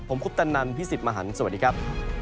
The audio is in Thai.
ผมคุปตันนันพี่สิทธิ์มหันฯสวัสดีครับ